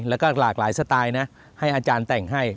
แล้วก็หลากหลายสไตล์นะให้อาจารย์แต่งให้